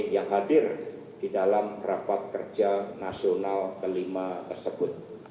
yang hadir di dalam rapat kerja nasional ke lima tersebut